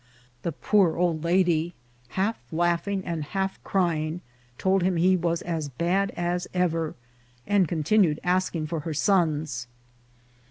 The poor old lady, half laughing and half crying, told him he was as bad as ever, and continued asking for her sons.